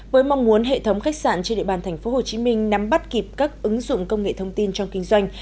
với mong muốn hệ thống khách sạn trên địa bàn tp hcm nắm bắt kịp các ứng dụng công nghệ thông tin trong kinh doanh